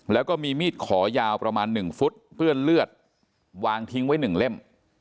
แล้วก็มีมีดขอยาวประมาณ๑ฟุตเปื้อนเลือดวางทิ้งไว้๑เล่ม